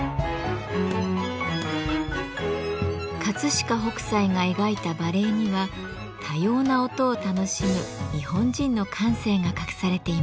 飾北斎が描いた馬鈴には多様な音を楽しむ日本人の感性が隠されています。